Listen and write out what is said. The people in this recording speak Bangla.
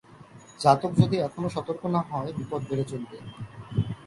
জাতক যদি এখনো সতর্ক না হয় বিপদ বেড়ে চলবে।